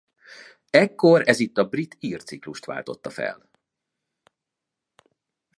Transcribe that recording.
Ekkor ez itt a brit–ír ciklust váltotta fel.